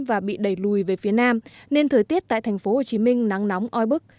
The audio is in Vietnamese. và bị đẩy lùi về phía nam nên thời tiết tại thành phố hồ chí minh nắng nóng oi bức